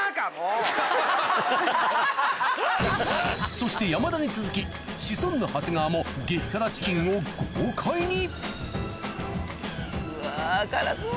そして山田に続きシソンヌ・長谷川も激辛チキンを豪快にうわ辛そう。